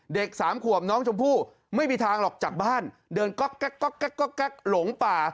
สามขวบน้องชมพู่ไม่มีทางหรอกจากบ้านเดินก๊อกแก๊กหลงป่า